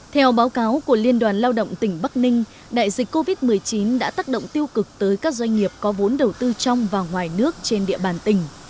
theo báo cáo của liên đoàn lao động tỉnh bắc ninh đại dịch covid một mươi chín đã tác động tiêu cực tới các doanh nghiệp có vốn đầu tư trong và ngoài nước trên địa bàn tỉnh